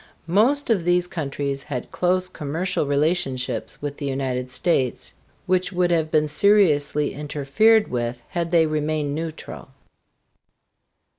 Most of these countries had close commercial relationships with the United States, which would have been seriously interfered with had they remained neutral.